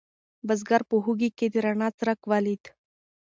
بزګر په کوهي کې د رڼا څرک ولید.